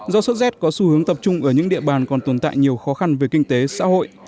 do sốt rét có xu hướng tập trung ở những địa bàn còn tồn tại nhiều khó khăn về kinh tế xã hội